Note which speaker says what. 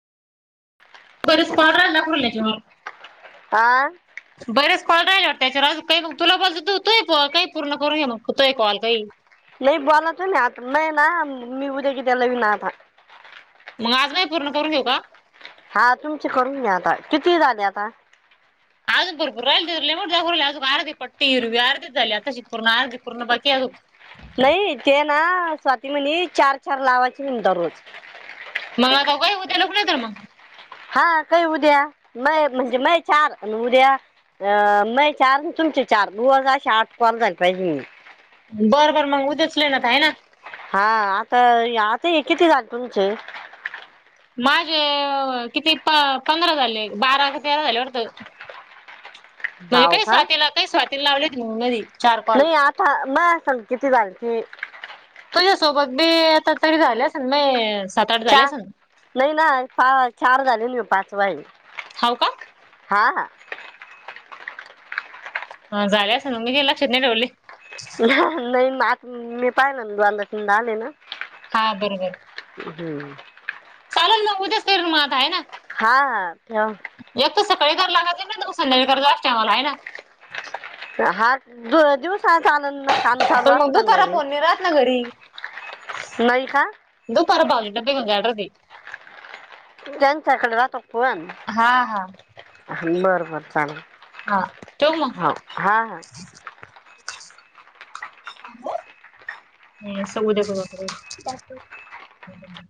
Speaker 1: हा
Speaker 2: [unintelligible] बरेच कॉल राहिला वाटते त्याच्या आ काही ग तुला बोललं [unintelligible] काही पूर्ण करून घे मग होतय कॉल काही.
Speaker 1: लय बोलातो नाही. आता मै ना [unintelligible]
Speaker 2: मग आज बाई पूर्ण करून घेऊ का?
Speaker 1: हा तुमचे करून घ्या आता. किती झाले आता?
Speaker 2: अजून भरपूर राहिलं. लई मोठ्या खोल्या अजून आर्धी पट्टी हिरवी आर्धीच झाल्या अत्ताशी, पूर्ण आर्धी पूर्ण बाकी आहे अजून.
Speaker 1: नाही ते ना स्वाती म्हणे चार चार लावायचे म्हणे दररोज.
Speaker 2: मग आता काय उद्या [unintelligible] मग?
Speaker 1: हा काही उद्या. मये म्हणजे मये चार आणि उद्या अ माये चार, तुमचे चार रोज असे आठ कॉल झाले पाहिजे मग.
Speaker 2: बरं बरं मग उद्याच [unintelligible] आहे ना?
Speaker 1: हा आता आता हे किती झालं तुमचे?
Speaker 2: माझे किती प-पंधरा झाले बारा का तेरा झाले वाटतं. म्हणजे
Speaker 1: हाव
Speaker 2: काही
Speaker 1: का
Speaker 2: स्वातीला काही स्वातीला लावलेवते मधी चार कॉल.
Speaker 1: माया संग किती झालती?
Speaker 2: तुझ्या सोबत बी आता तरी झाले असन मी सात आठ
Speaker 1: च
Speaker 2: झाले असेल
Speaker 1: नाही ना पा चार झाले आणि हो पाचवा आहे.
Speaker 2: हाव
Speaker 1: हा हा.
Speaker 2: हा झाले असेल मी काही लक्षात नाही ठेवले.
Speaker 1: न्हा नाही मी आता मी पाहिलं ना दोनदा तीनदा आले ना.
Speaker 2: हा बरोबर,
Speaker 1: हम्म.
Speaker 2: चालेल मग उद्याच करीन मग आता आहे ना.
Speaker 1: हा ठेव.
Speaker 2: एक तर सकाळी करार लागती नाहीतर संध्याकाळी कराय लागते मला आहे ना?
Speaker 1: हा दिवसा चालू ना काम चालू असताना बी
Speaker 2: ला घरी
Speaker 1: नाही का?
Speaker 2: दुपार भावे डब्बे मग ऑर्डर दे.
Speaker 1: त्यांच्याकडे राहतो फोन.
Speaker 2: हा हा
Speaker 1: बर बर चालणं.
Speaker 2: हा ठेव मग.
Speaker 1: हा हा.
Speaker 2: हम्म सरळ उद्या करु [unintelligible] एक मीनट.